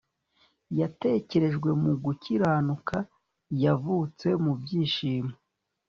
Yatekerejwe mu gukiranuka yavutse mu byishimo